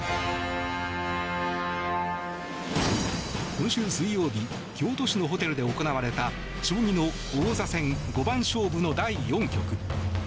今週水曜日京都市のホテルで行われた将棋の王座戦五番勝負の第４局。